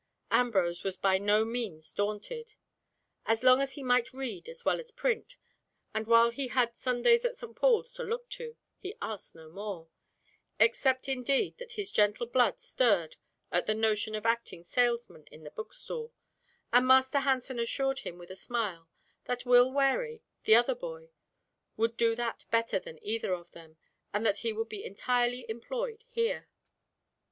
Ambrose was by no means daunted. As long as he might read as well as print, and while he had Sundays at St. Paul's to look to, he asked no more—except indeed that his gentle blood stirred at the notion of acting salesman in the book stall, and Master Hansen assured him with a smile that Will Wherry, the other boy, would do that better than either of them, and that he would be entirely employed here.